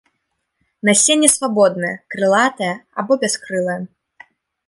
Насенне свабоднае, крылатае або бяскрылае.